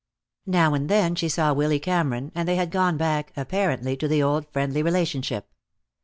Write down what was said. Now and then she saw Willy Cameron, and they had gone back, apparently, to the old friendly relationship.